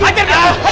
saya mau sekarang